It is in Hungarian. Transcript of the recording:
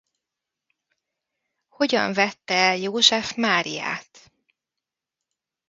Hogyan vette el József Máriát.